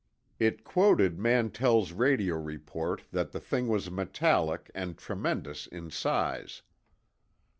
It quoted Mantell's radio report that the thing was metallic and tremendous in size.